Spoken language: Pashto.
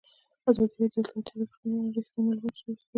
ازادي راډیو د اطلاعاتی تکنالوژي په اړه رښتیني معلومات شریک کړي.